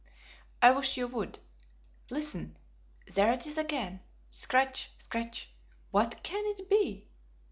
"I wish you would. Listen! There it is again: 'Scratch! Scratch!' What can it be?"